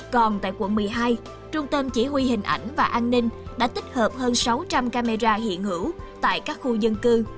còn tại quận một mươi hai trung tâm chỉ huy hình ảnh và an ninh đã tích hợp hơn sáu trăm linh camera hiện hữu tại các khu dân cư